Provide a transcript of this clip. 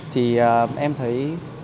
thì em thấy